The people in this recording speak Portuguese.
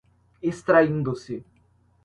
extraindo-se